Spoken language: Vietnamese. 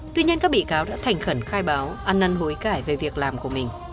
tuy nhiên các bị cáo đã thành khẩn khai báo ăn năn hối cải về việc làm của mình